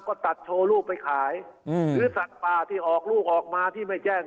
ก็ตัดโชว์ลูกไปขายหรือสัตว์ป่าที่ออกลูกออกมาที่ไม่แจ้ง